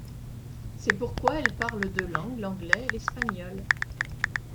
C'est pourquoi elle parle deux langues, l'anglais et l'espagnol.